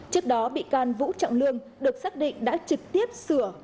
trước đó bị can vũ trọng lương được xác định đã trực tiếp sửa